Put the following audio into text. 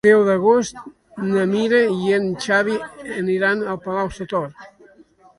El deu d'agost na Mira i en Xavi aniran a Palau-sator.